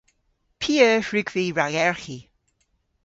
P'eur hwrug vy ragerghi?